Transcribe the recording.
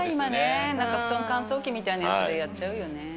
乾燥機みたいなやつでやっちゃうよね。